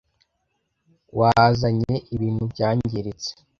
Wazanye ibintu byangiritse ,